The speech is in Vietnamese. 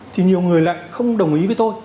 thì nhiều người lại không đồng ý với tôi